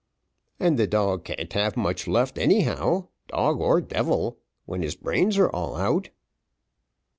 "And the dog can't have much left anyhow, dog or devil, when his brains are all out."